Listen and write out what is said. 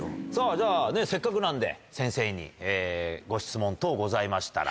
じゃあねせっかくなんで先生にご質問等ございましたら。